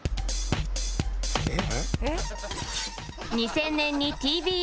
えっ！